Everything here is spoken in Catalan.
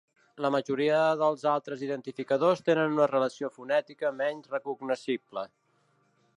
La majoria dels altres identificadors tenen una relació fonètica menys recognoscible.